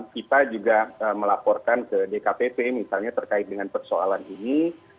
kita juga melaporkan ke dkpp misalnya terkait dengan persoalan ini